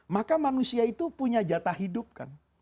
maka manusia itu punya jatah hidup kan